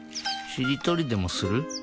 しりとりでもする？